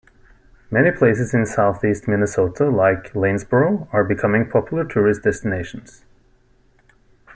Many places in Southeast Minnesota, like Lanesboro, are becoming popular tourist destinations.